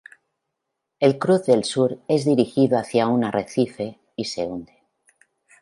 El "Cruz del Sur" es dirigido hacia un arrecife y se hunde.